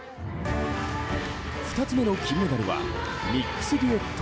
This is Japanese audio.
２つ目の金メダルはミックスデュエット